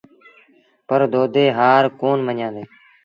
پر دودي هآر ڪونا مڃيآندي۔